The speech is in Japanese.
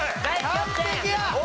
完璧や！